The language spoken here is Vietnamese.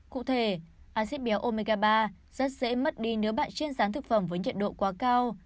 cụ thể axit béo omega ba rất dễ mất đi nếu bạn chiên rán thực phẩm với nhiệt độ quá cao